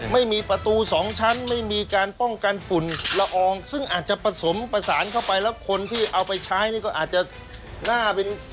ไม่มีประตูสองชั้นไม่มีการป้องกันฝุ่นละอองซึ่งอาจจะผสมประสานเข้าไปแล้วคนที่เอาไปใช้นี่ก็อาจจะน่าเป็น